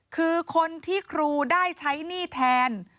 คือคนที่ครูได้ใช้หนี้แทน